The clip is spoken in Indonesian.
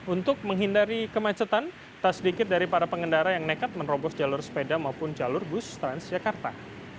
untuk menghindari kemacetan tak sedikit dari para pengendara yang nekat menerobos jalur sepeda maupun jalur bus transjakarta